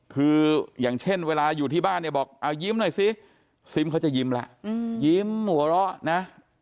คืออย่างเช่นเวลาอยู่ที่บ้านเนี่ยบอกเอายิ้มหน่อยสิซิมเขาจะยิ้มแล้วยิ้มหัวเราะนะ